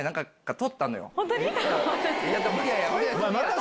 本当に？